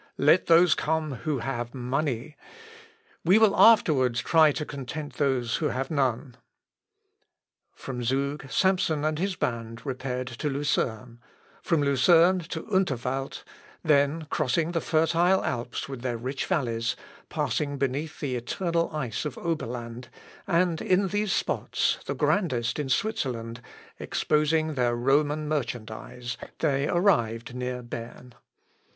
Let those come who have money. We will afterwards try to content those who have none." From Zug Samson and his band repaired to Lucerne; from Lucerne to Underwald; then crossing the fertile Alps with their rich valleys, passing beneath the eternal ice of Oberland, and in these spots, the grandest in Switzerland, exposing their Roman merchandise, they arrived near Berne.